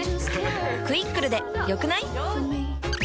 「クイックル」で良くない？